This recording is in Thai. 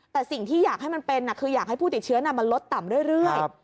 แต่สิ่งที่อยากให้มันเป็นคืออยากให้ผู้ติดเชื้อมันลดต่ำเรื่อย